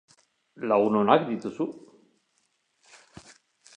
Lagun onak dituzu?